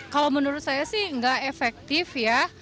kalau menurut saya sih nggak efektif ya